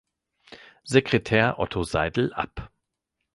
Sekretär Otto Seidel ab.